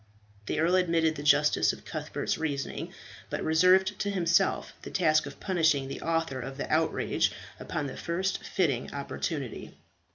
The earl admitted the justice of Cuthbert's reasoning, but reserved to himself the task of punishing the author of the outrage upon the first fitting opportunity.